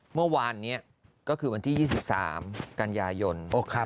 เมื่อวานนี้ก็คือวันที่๒๓กันยายน